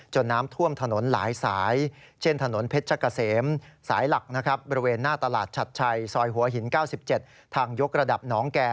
น้ำท่วมถนนหลายสายเช่นถนนเพชรกะเสมสายหลักนะครับบริเวณหน้าตลาดชัดชัยซอยหัวหิน๙๗ทางยกระดับน้องแก่